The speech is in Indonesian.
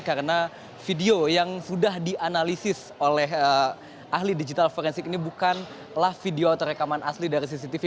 karena video yang sudah dianalisis oleh ahli digital forensik ini bukanlah video atau rekaman asli dari cctv